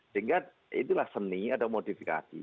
sehingga itulah seni atau modifikasi